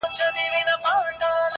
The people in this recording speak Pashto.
مړه راگوري مړه اكثر_